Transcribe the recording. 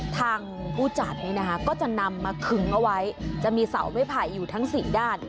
ทางผู้จาดนี้ก็จะนำมาขึงเอาไว้จะมีเสาไว้ผ่ายทั้ง๔ด้าน